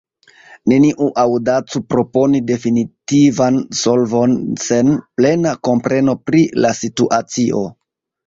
Neniu aŭdacu proponi definitivan solvon sen plena kompreno pri la situacio.